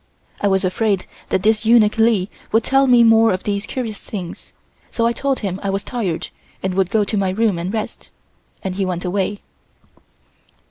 I was afraid that this eunuch Li would tell me more of these curious things, so I told him I was tired and would go to my room and rest, and he went away.